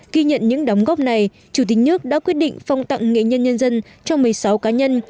khi nhận những đóng góp này chủ tịch nước đã quyết định phong tặng nghệ nhân nhân dân cho một mươi sáu cá nhân